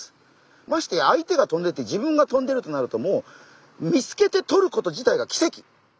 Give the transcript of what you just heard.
ましてや相手が飛んでて自分が飛んでるとなるともう見つけて取ること自体がきせき。